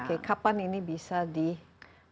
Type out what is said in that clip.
oke kapan ini bisa digunakan secara luas